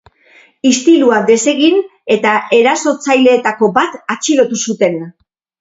Istilua desegin eta erasotzaileetako bat atxilotu zuten.